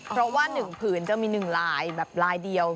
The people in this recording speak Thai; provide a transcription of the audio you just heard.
เพราะว่าหนึ่งผืนจะมีหนึ่งลายแบบลายเดียว